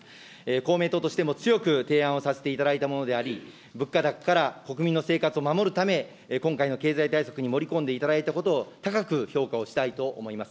公明党としても強く提案をさせていただいたものであり、物価高から国民の生活を守るため、今回の経済対策に盛り込んでいただいたことを高く評価をしたいと思います。